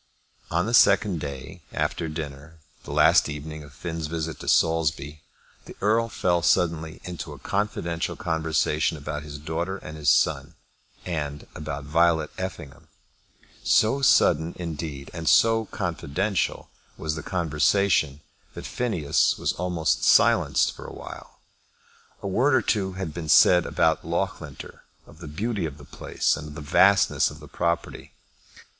On the second day after dinner, the last evening of Finn's visit to Saulsby, the Earl fell suddenly into a confidential conversation about his daughter and his son, and about Violet Effingham. So sudden, indeed, and so confidential was the conversation, that Phineas was almost silenced for awhile. A word or two had been said about Loughlinter, of the beauty of the place and of the vastness of the property.